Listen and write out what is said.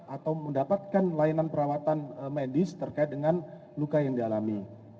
atau mendapatkan layanan perawatan medis terkait dengan luka yang dialami